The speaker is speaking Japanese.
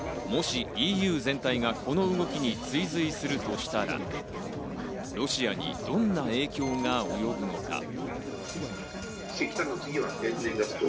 もしＥＵ全体がこの動きに追随するとしたらロシアにどんな影響が及ぶのか。